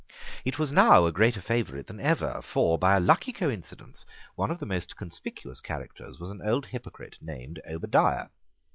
It was now a greater favourite than ever; for, by a lucky coincidence, one of the most conspicuous characters was an old hypocrite named Obadiah.